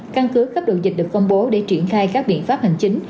căn cứ khắp độ dịch được phong bố để triển khai các biện pháp hành chính